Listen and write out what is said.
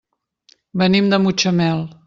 Venim de Mutxamel.